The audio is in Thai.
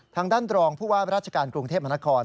ทางด้านรองผู้ว่าราชการกรุงเทพมนคร